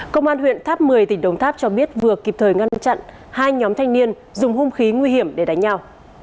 công an huyện tháp một mươi tỉnh đồng tháp cho biết vừa kịp thời ngăn chặn hai nhóm thanh niên dùng hung khí nguy hiểm để đánh nhau